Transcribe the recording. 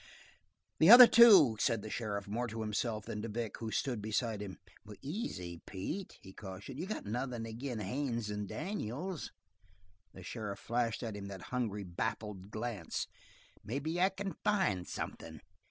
"The other two!" said the sheriff, more to himself than to Vic, who stood beside him. "Easy, Pete," he cautioned. "You got nothin' agin Haines and Daniels." The sheriff flashed at him that hungry, baffled glance. "Maybe I can find something.